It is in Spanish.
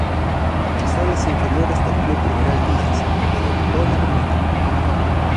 Comenzó en las inferiores del Club General Díaz, donde debutó en la primera.